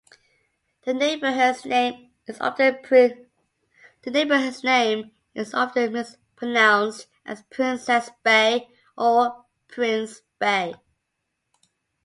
The neighborhood's name is often mispronounced as "Princess Bay" or "Prince Bay.